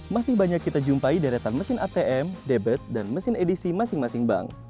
masih banyak kita jumpai deretan mesin atm debit dan mesin edisi masing masing bank